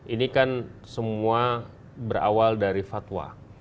ini kan semua berawal dari fatwa